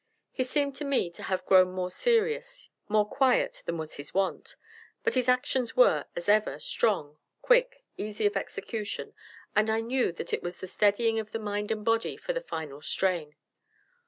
He seemed to me to have grown more serious, more quiet than was his wont; but his actions were, as ever, strong, quick, easy of execution, and I knew that it was the steadying of the mind and body for the final strain.